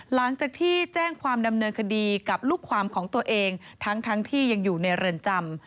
หลังจากที่แจ้งความดำเนินคดีกับลูกความของตัวเองทั้งที่ยังอยู่ในเรือนจำ